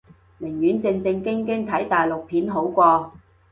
寧願正正經經睇大陸片好過